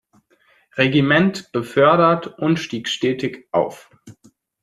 Regiment, befördert und stieg stetig auf.